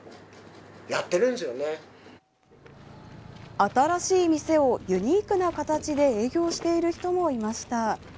新しい店をユニークな形で営業している人もいました。